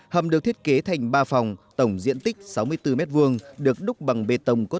hầm được thiết kế thành ba phòng tổng diện tích sáu mươi bốn m hai được đúc bằng bê tông có thép ngọt